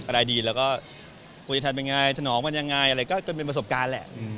อะไรดีแล้วก็คุยทำยังไงถนองมันยังไงอะไรก็จนเป็นประสบการณ์แหละ